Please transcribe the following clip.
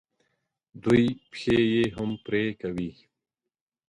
دوی پښې یې هم پرې کوي.